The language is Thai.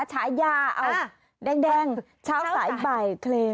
ชายาแดงชาวสายใบเคลม